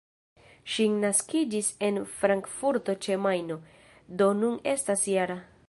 Ŝi naskiĝis en Frankfurto-ĉe-Majno, do nun estas -jara.